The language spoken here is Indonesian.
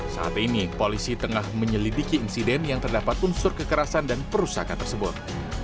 saat ini polisi tengah menyelidiki insiden yang terdapat unsur kekerasan dan perusakan tersebut